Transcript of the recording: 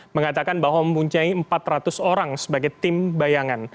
mengatakan bahwa mempunyai empat ratus orang sebagai tim bayangan